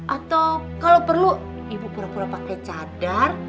atau kalo perlu ibu pura pura pake cadar